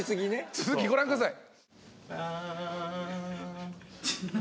続きご覧ください。